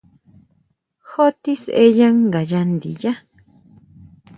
Xjó tisʼeya ngayá ndiyá.